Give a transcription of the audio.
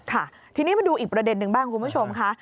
ค่ะทีนี้มาดูอีกประเด็นหนึ่งบ้างคุณผู้ชมค่ะ